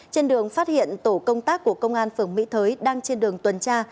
trên đường phát hiện tổ công tác của công an phường mỹ thới đang trên đường tuần tra